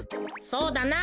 そうだな。